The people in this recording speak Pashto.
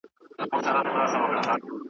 زنګوله که نه وي ټوله کار ورانېږي `